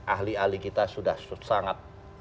ahli ahli kita sudah sangat